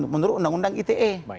menurut undang undang ite